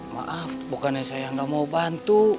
maaf bukannya saya yang gak mau bantu